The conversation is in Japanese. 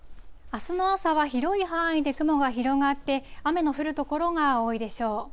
あすの朝は広い範囲で雲が広がって、雨の降る所が多いでしょう。